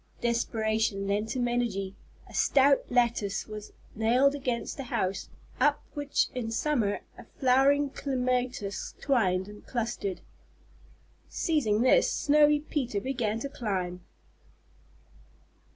Desperation lent him energy. A stout lattice was nailed against the house, up which in summer a flowering clematis twined and clustered. Seizing this, Snowy Peter began to climb!